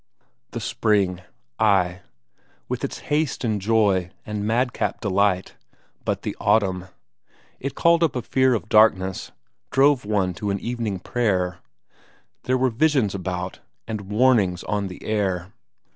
The spring ay, with its haste and joy and madcap delight; but the autumn! It called up a fear of darkness, drove one to an evening prayer; there were visions about, and warnings on the air.